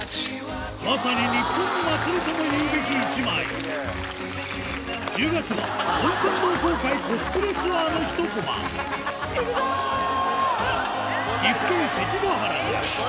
まさにニッポンの祭りとも言うべき１枚１０月は温泉同好会コスプレツアーの１コマ岐阜県関ヶ原でおぉ！